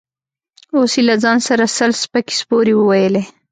اوس يې له ځان سره سل سپکې سپورې وويلې.